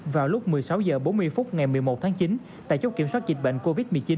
vào lúc một mươi sáu h bốn mươi phút ngày một mươi một tháng chín tại chốt kiểm soát dịch bệnh covid một mươi chín